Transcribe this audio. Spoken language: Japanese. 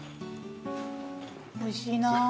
おいしいな。